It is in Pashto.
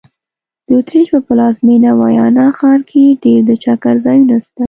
د اوترېش په پلازمېنه ویانا ښار کې ډېر د چکر ځایونه سته.